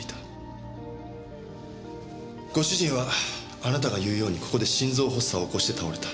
ご主人はあなたが言うようにここで心臓発作を起こして倒れた。